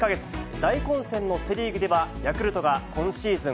大混戦のセ・リーグでは、ヤクルトが今シーズン